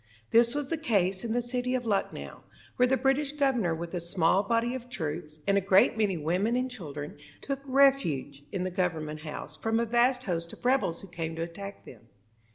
This was the case in the city of Lucknow, where the British governor with a small body of troops, and a great many women and children, took refuge in the Government House from a vast host of rebels who came to attack them.